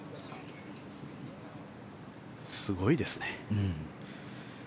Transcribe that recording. すごいですね。